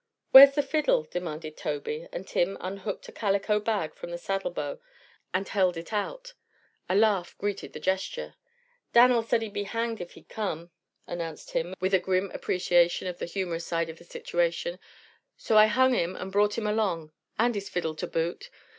"Where's the fiddle?" demanded Tobey, and Tim unhooked a calico bag from the saddlebow and held it out. A laugh greeted the gesture. "Dan'l said he be hanged if he'd come," announced Tim, with a grim appreciation of the humorous side of the situation; "so I hung him and brought him along and his fiddle to boot.